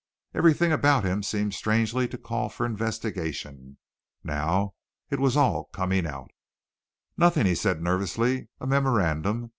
Everything about him seemed strangely to call for investigation. Now it was all coming out. "Nothing," he said nervously. "A memorandum.